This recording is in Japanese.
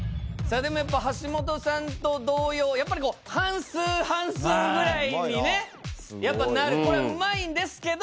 でもやっぱり橋本さんと同様やっぱりこう半数半数ぐらいにねやっぱなるこれは上手いんですけど。